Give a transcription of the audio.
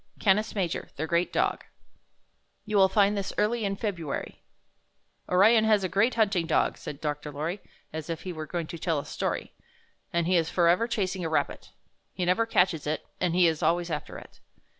CANIS MAJOR, THE GREAT DOG You xcill find this early in February "Orion has a great hunting dog," said Dr. Lorry, as if he were going to tell a story, ''and he is forever chasing a rabbit. He never catches it, and he is always after it.